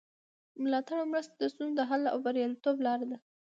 ملاتړ او مرسته د ستونزو د حل او بریالیتوب لاره ده.